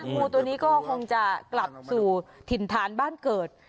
งูตัวนี้ก็คงจะกลับสู่ถิ่นฐานบ้านเกิด